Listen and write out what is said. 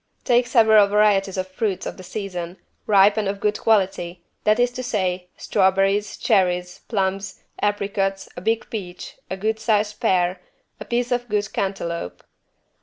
Take several varieties of fruits of the season, ripe and of good quality, that is to say, strawberries, cherries, plums, apricots, a big peach, a good sized pear, a piece of good cantaloupe.